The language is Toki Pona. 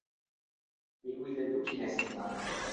mi wile lukin e sina.